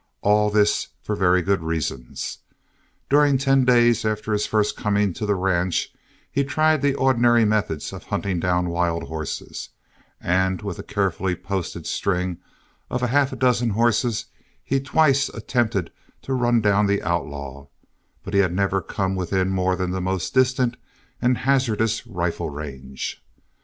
All this for very good reasons. During ten days after his first coming to the ranch he tried the ordinary methods of hunting down wild horses, and with a carefully posted string of half a dozen horses, he twice attempted to run down the outlaw, but he had never come within more than the most distant and hazardous rifle range.